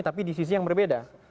tapi di sisi yang berbeda